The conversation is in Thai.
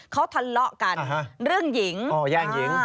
เขาทะเลาะกันเรื่องหญิงอ๋อแย่งหญิง